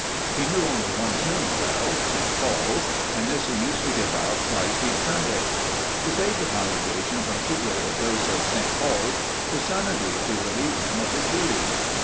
He knew only one tune well 'St. Paul's' and this he used to give out twice each Sunday. To save the congregation from too great a dose of 'St. Paul's,' the son agreed to relieve him of his duties.